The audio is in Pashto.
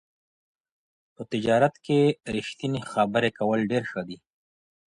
په تجارت کي ريښتني خبرې کول ډېر ښه دي.